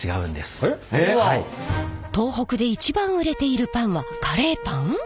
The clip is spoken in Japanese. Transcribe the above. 東北で一番売れているパンはカレーパン？